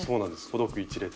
ほどく１列。